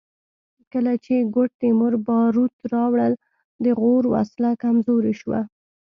کله چې ګوډ تیمور باروت راوړل د غور وسله کمزورې شوه